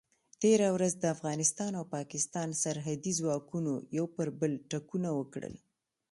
تېره ورځ د افغانستان او پاکستان سرحدي ځواکونو یو پر بل ټکونه وکړل.